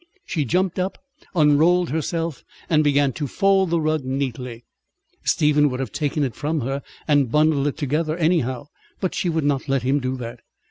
She jumped up, unrolled herself, and began to fold the rug neatly. Stephen would have taken it from her and bundled it together anyhow, but she would not let him do that.